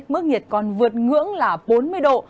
mức nhiệt còn vượt ngưỡng là bốn mươi độ